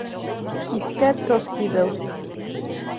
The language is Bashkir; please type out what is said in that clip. Иткә тоҙ һибеү